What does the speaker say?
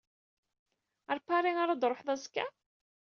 Ɣer Paris ara ad ṛuḥeḍ azekka?